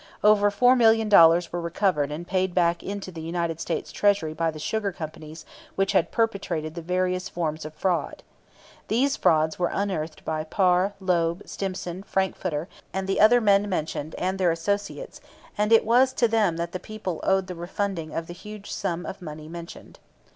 Over four million dollars were recovered and paid back into the United States Treasury by the sugar companies which had perpetrated the various forms of fraud. These frauds were unearthed by Parr, Loeb, Stimson, Frankfurter, and the other men mentioned and their associates, and it was to them that the people owed the refunding of the huge sum of money mentioned.